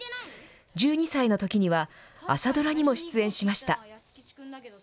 １２歳のときには、朝ドラにも出演しました。